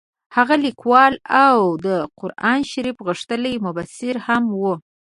هغه لیکوال او د قران شریف غښتلی مبصر هم وو.